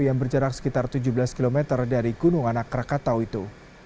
yang berjarak sekitar tujuh belas km dari gunung anak rakatau itu